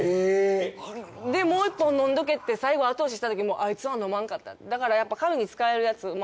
もう１本飲んどけって最後後押ししたときもアイツは飲まんかっただからやっぱ神に仕えるヤツ。